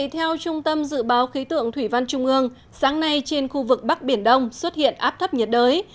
theo trung tâm dự báo khí tượng thủy văn trung ương sáng nay trên khu vực bắc biển đông xuất hiện áp thấp nhiệt đới